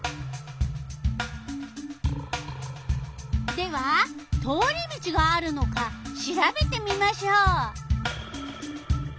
では通り道があるのかしらべてみましょう。